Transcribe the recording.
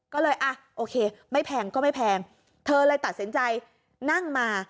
ก็เลยอ่ะโอเคไม่แพงก็ไม่แพงเธอเลยตัดสินใจนั่งมา